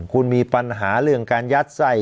คุณมีปัญหาเรื่องการยัดไส้